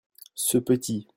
Ce petit.